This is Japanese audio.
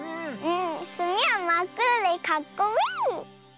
すみはまっくろでかっこいい！